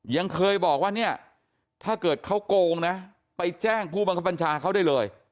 ยังเคยบอกว่าเนี่ยถ้าเกิดเขาโกงนะไปแจ้งผู้บังคับบัญชาเขาได้เลย